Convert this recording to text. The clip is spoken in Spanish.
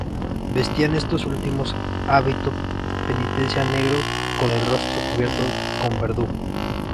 Vestían estos últimos hábito penitencial negro, con el rostro cubierto con verdugo.